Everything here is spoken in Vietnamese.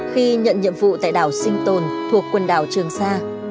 khi nhận nhiệm vụ tại đảo sinh tồn thuộc quần đảo trường sa